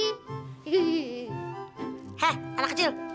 hei anak kecil